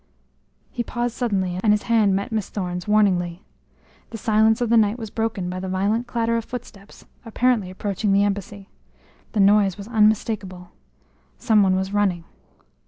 He paused suddenly and his hand met Miss Thorne's warningly. The silence of the night was broken by the violent clatter of footsteps, apparently approaching the embassy. The noise was unmistakable some one was running.